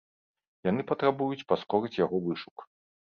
Яны патрабуюць паскорыць яго вышук.